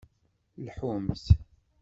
Lḥumt!